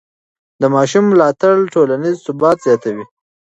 د ماشوم ملاتړ ټولنیز ثبات زیاتوي.